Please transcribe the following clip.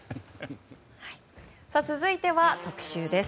続いては特集です。